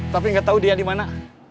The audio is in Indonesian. tapi gak tahu dia dimana